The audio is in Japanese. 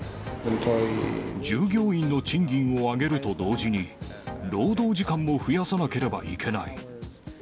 従業員の賃金を上げると同時に、労働時間も増やさなければいけない。